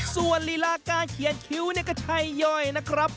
ส่วนลีลาการเขียนคิ้วเนี่ยก็ใช่ย่อยนะครับ